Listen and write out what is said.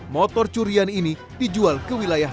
motor curian ini dijual ke wilayah